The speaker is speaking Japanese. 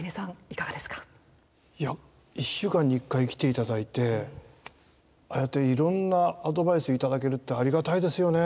いや１週間に１回来て頂いてああやっていろんなアドバイス頂けるってありがたいですよね。